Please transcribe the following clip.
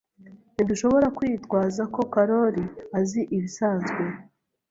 Ntidushobora kwitwaza ko Karoli ari ibisanzwe.